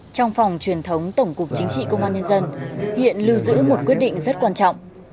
trong phòng truyền thống tổng cục chính trị công an nhân dân hiện lưu giữ một quyết định rất quan trọng